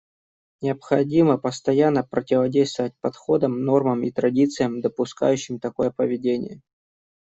Необходимо постоянно противодействовать подходам, нормам и традициям, допускающим такое поведение.